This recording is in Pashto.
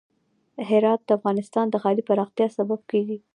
هرات د افغانستان د ښاري پراختیا سبب کېږي.